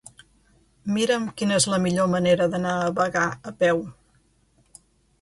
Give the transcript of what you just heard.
Mira'm quina és la millor manera d'anar a Bagà a peu.